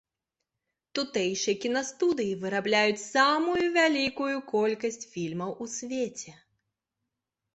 Тутэйшыя кінастудыі вырабляюць самую вялікую колькасць фільмаў у свеце.